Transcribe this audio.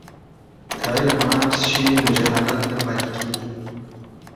که علم عام شي نو جهالت نه پاتې کیږي.